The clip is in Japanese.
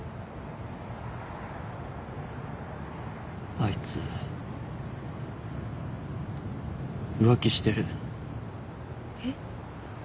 あいつ浮気してるえっ？